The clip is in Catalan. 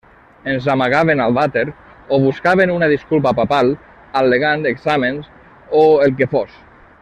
Ens amagàvem al vàter o buscàvem una disculpa papal al·legant exàmens o el que fos.